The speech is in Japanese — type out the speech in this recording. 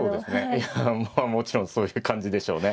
いやもちろんそういう感じでしょうね。